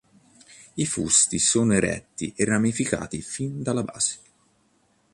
I fusti sono eretti e ramificati fin dalla base.